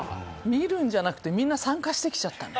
見るんじゃなくてみんな参加してきちゃったのよ。